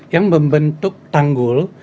yang membentuk tanggul